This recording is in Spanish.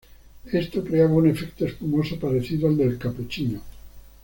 Esto creaba un efecto espumoso parecido al del capuchino.